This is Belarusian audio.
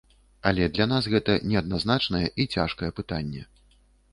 Але для нас гэта неадназначнае і цяжкае пытанне.